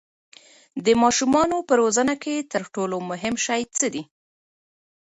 د ماشومانو په روزنه کې تر ټولو مهم شی څه دی؟